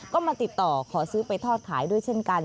ก็มาติดต่อขอซื้อไปทอดขายด้วยเช่นกัน